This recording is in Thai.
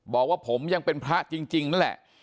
บอกว่าผมยังเป็นพระจริงนั่นแหละ